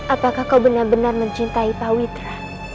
apakah kau benar benar mencintai pak witra